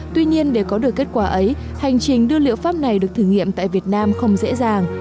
tuy nhiên để có được kết quả ấy hành trình đưa liệu pháp này được thử nghiệm tại việt nam không dễ dàng